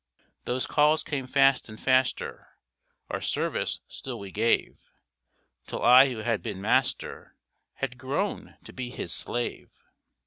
Those calls came fast and faster, Our service still we gave, Till I who had been master Had grown to be his slave.